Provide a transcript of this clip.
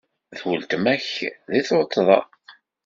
D weltma-k di tuṭṭda.